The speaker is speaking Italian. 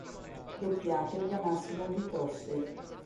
Doppiato da Massimo Bitossi.